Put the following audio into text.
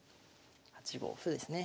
８五歩ですね。